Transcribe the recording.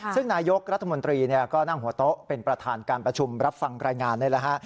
ซึ่งนายกรัฐมนตรีก็นั่งหัวโต๊ะเป็นประธานการประชุมรับฟังรายงานนี่แหละฮะ